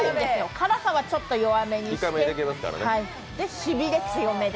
辛さはちょっと控えめにしてしびれ強めで。